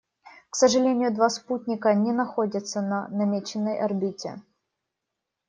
К сожалению, два спутника не находятся на намеченной орбите.